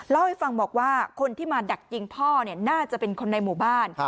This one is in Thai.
เล่าให้ฟังบอกว่าคนที่มาดักยิงพ่อน่าจะเป็นคนในหมู่บ้าน